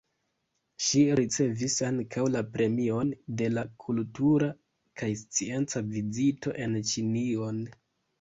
Ŝi ricevis ankaŭ la Premion de la Kultura kaj Scienca Vizito en Ĉinion.